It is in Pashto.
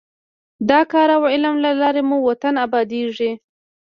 د کار او علم له لارې مو وطن ابادېږي.